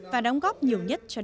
và đóng góp nhiều nhất cho đại học